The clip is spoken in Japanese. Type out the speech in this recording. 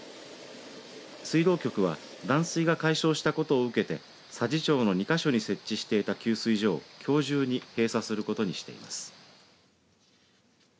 水道局は断水が解消したことを受けて佐治町の２か所に設置していた給水所をきょう中に閉鎖することにしています。